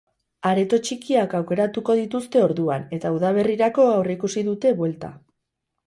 Areto itxiak aukeratuko dituzte orduan, eta udaberrirako aurreikusi dute buelta.